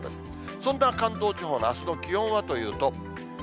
そんな関東地方のあすの気温はというと。